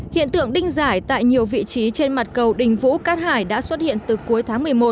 hiện tượng đinh giải tại nhiều vị trí trên mặt cầu đình vũ cát hải đã xuất hiện từ cuối tháng một mươi một